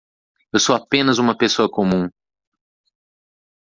Eu sou apenas uma pessoa comum